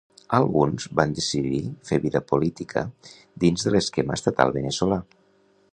Alguns van decidir fer vida política dins de l'esquema estatal veneçolà.